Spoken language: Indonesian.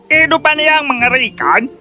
hidupan yang mengerikan